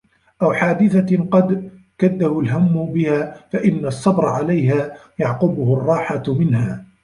أَوْ حَادِثَةٍ قَدْ كَدَّهُ الْهَمُّ بِهَا فَإِنَّ الصَّبْرَ عَلَيْهَا يَعْقُبُهُ الرَّاحَةُ مِنْهَا